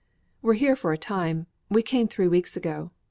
"We're here for a time we came three weeks ago.